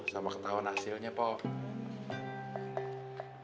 sama ketahuan hasilnya pak